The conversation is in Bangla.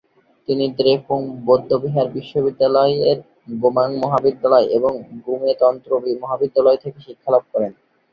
তিনি দ্রেপুং বৌদ্ধবিহার বিশ্ববিদ্যালয়ের গোমাং মহাবিদ্যলয় এবং গ্যুমে তন্ত্র মহাবিদ্যালয় থেকে শিক্ষালাভ করেন।